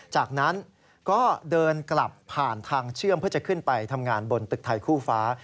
จากนั้นก็เดินกลับผ่านทางเชื่อมเพื่อจะขึ้นไปทำงานบนตึกไทยคู่ฟ้า